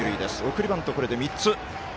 送りバント、これで３つ。